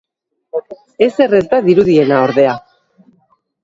Ezer ez da dirudiena, ordea.